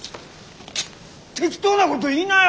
適当なこと言いなや！